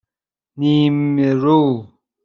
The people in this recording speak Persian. نیمرو